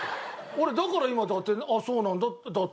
俺だから今伊達あっそうなんだ伊達って。